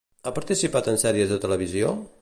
Ha participat en sèries de televisió?